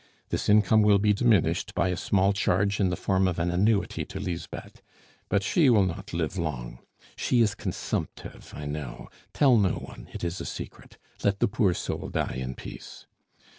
This income will be diminished by a small charge in the form of an annuity to Lisbeth; but she will not live long; she is consumptive, I know. Tell no one; it is a secret; let the poor soul die in peace.